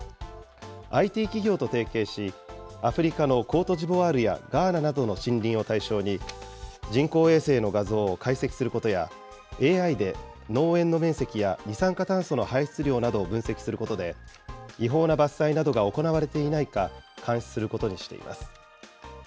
ＩＴ企業と提携し、アフリカのコートジボワールやガーナなどの森林を対象に、人工衛星の画像を解析することや、ＡＩで農園の面積や二酸化炭素の排出量などを分析することで、違法な伐採などが行われていないか、監視することにしています。